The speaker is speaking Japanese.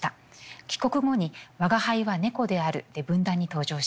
帰国後に「吾輩は猫である」で文壇に登場します。